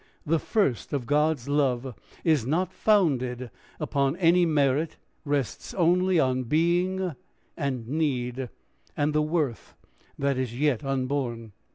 The first of God's love is not founded upon any merit, rests only on being and need, and the worth that is yet unborn.